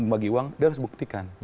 bagi uang dia harus buktikan